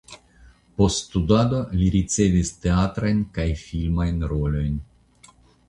Post studado li ricevis teatrajn kaj filmajn rolojn.